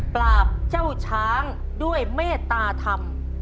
เจ้าช้างด้วยเมตตาธรรม